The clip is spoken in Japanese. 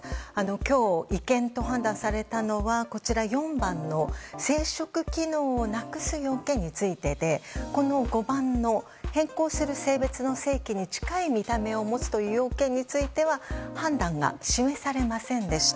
今日、違憲と判断されたのは４番の生殖機能をなくすについてで５番の、変更する性別の性器に近い見た目を持つという要件については判断が示されませんでした。